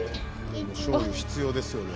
でもしょうゆ必要ですよね。